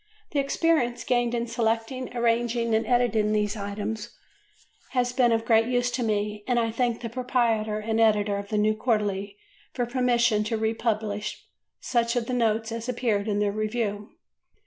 The experience gained in selecting, arranging, and editing these items has been of great use to me and I thank the proprietor and editor of the New Quarterly for permission to republish such of the notes as appeared in their review.